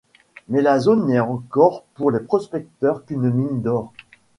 Mais la zone n’est encore pour les prospecteurs qu’une mine d’or.